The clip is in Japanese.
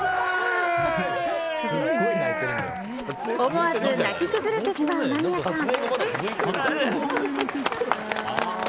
思わず泣き崩れてしまう間宮さん。